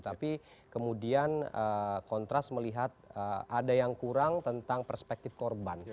tapi kemudian kontras melihat ada yang kurang tentang perspektif korban